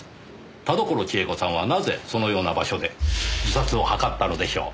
田所千枝子さんはなぜそのような場所で自殺を図ったのでしょう？